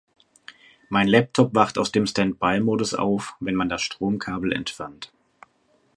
Mein Laptop wacht aus dem Standby-Modus auf, wenn man das Stromkabel entfernt.